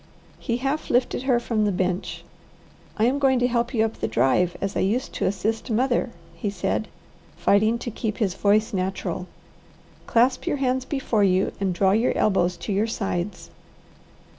He half lifted her from the bench. "I am going to help you up the drive as I used to assist mother," he said, fighting to keep his voice natural. "Clasp your hands before you and draw your elbows to your sides.